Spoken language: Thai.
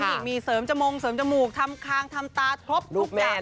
นี่มีเสริมจมงเสริมจมูกทำคางทำตาครบทุกอย่าง